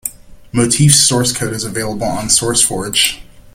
Motif's source code is available on SourceForge.